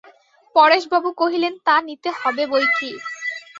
পরেশবাবু কহিলেন, তা নিতে হবে বৈকি।